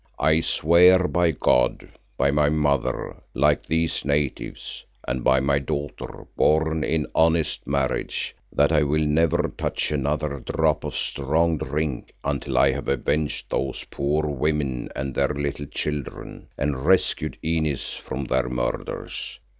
I swear by God, by my mother—like these natives—and by my daughter born in honest marriage, that I will never touch another drop of strong drink, until I have avenged those poor women and their little children, and rescued Inez from their murderers.